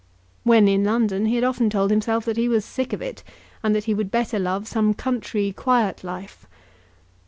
When in London he had often told himself that he was sick of it, and that he would better love some country quiet life.